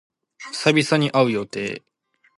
久々に会う予定。